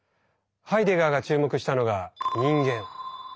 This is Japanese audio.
ハイデガーが注目したのが「人間」。